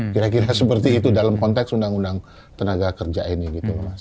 kira kira seperti itu dalam konteks undang undang tenaga kerja ini gitu mas